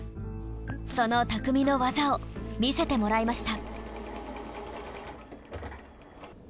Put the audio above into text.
その匠の技を見せてもらいました。